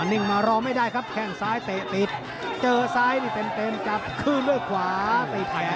ติออนิ่งมารอไม่ได้ครับแข่งซ้ายติติดเจอซ้ายที่เต็มกลับขึ้นด้วยขวาติแผง